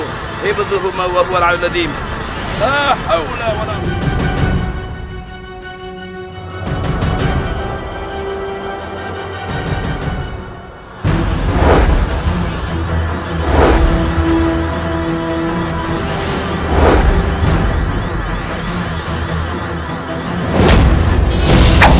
aku butuh nyawamu